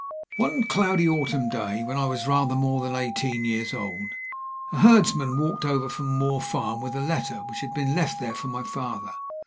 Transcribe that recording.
One cloudy autumn day, when I was rather more than eighteen years old, a herdsman walked over from Moor Farm with a letter which had been left there for my father.